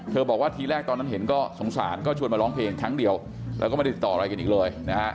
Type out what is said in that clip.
บอกว่าทีแรกตอนนั้นเห็นก็สงสารก็ชวนมาร้องเพลงครั้งเดียวแล้วก็ไม่ได้ติดต่ออะไรกันอีกเลยนะฮะ